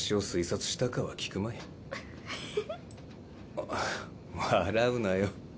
あっ笑うなよ。